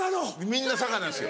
みんな佐賀なんですよ。